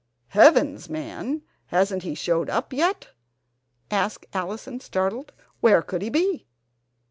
"Heavens, man! Hasn't he showed up yet?" cried Allison startled. "Where could he be?"